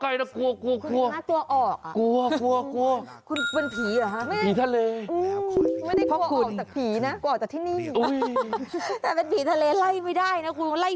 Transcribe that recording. อย่ามาใกล้นะกลัว